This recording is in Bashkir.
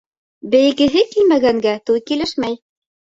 Бейегеһе килмәгәнгә туй килешмәй.